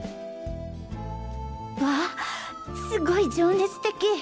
わあすごい情熱的。